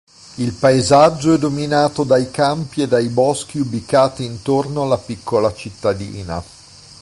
Il paesaggio è dominato dai campi e dai boschi ubicati intorno alla piccola cittadina.